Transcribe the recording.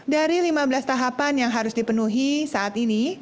dari lima belas tahapan yang harus dipenuhi saat ini